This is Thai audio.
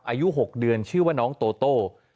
อายุ๖เดือนชื่อว่าน้องโตโต้